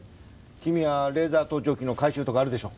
君はレーザー盗聴器の回収とかあるでしょ。